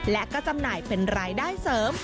และก็จำหน่ายเป็นรายได้เสริม